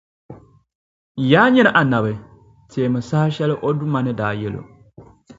Yaa nyini Annabi! Teemi saha shεli o Duuma ni daa yεli o: